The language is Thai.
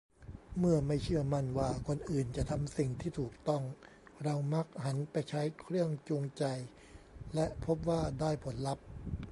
เมื่อไม่เชื่อมั่นว่าคนอื่นจะทำสิ่งที่ถูกต้อง เรามักหันไปใช้ 'เครื่องจูงใจ' และพบว่าได้ผลลัพธ์